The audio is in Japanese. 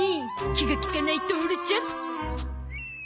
気が利かないトオルちゃん。